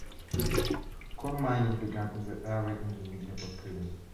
Coal mining began in the area in the medieval period.